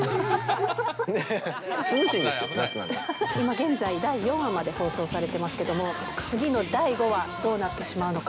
現在、第４話まで放送されてますけども、次の第５話、どうなってしまうのか。